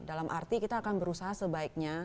dalam arti kita akan berusaha sebaiknya